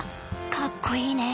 かっこいいね。